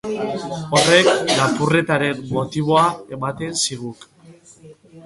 Horrek lapurretaren motiboa ematen ziguk.